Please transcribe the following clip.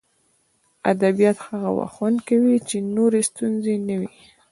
ادبیات هغه وخت خوند کوي چې نورې ستونزې نه وي